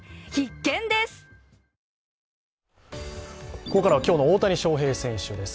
ここからは今日の大谷翔平選手です。